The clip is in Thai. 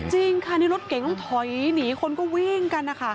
จริงค่ะนี่รถเก่งต้องถอยหนีคนก็วิ่งกันนะคะ